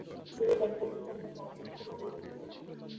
তিনি তৎকালীন সময়ে রাজনীতির সাথে জড়িত ছিলেন।